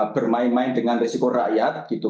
bermain main dengan risiko rakyat gitu